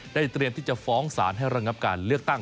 เตรียมที่จะฟ้องสารให้ระงับการเลือกตั้ง